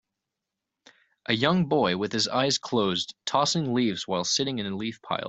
A young boy with his eyes closed tossing leaves while sitting in a leaf pile.